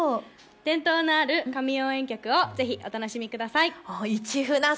伝統のある神応援曲をぜひお楽しみください。